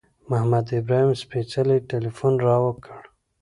محمد ابراهیم سپېڅلي تیلفون را وکړ.